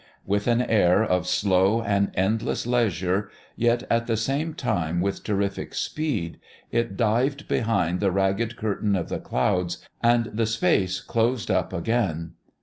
With an air of slow and endless leisure, yet at the same time with terrific speed, it dived behind the ragged curtain of the clouds, and the space closed up again.